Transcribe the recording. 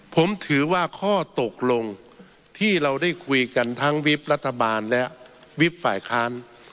ผมถือว่าข้อตกลงที่เราได้คุยกันทั้งวิบรัฐบาลและวิบฝ่ายค้าน